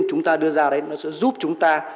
chúng ta đưa ra đấy nó sẽ giúp chúng ta